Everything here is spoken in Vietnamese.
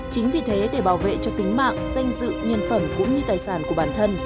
chính vì thế để bảo vệ cho tính mạng danh dự nhân phẩm cũng như tài sản của bản thân